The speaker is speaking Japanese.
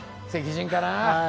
石人かな。